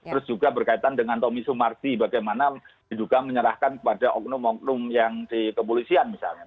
terus juga berkaitan dengan tommy sumarti bagaimana diduga menyerahkan kepada oknum oknum yang di kepolisian misalnya